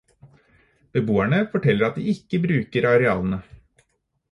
Beboerne forteller at de ikke bruker arealene.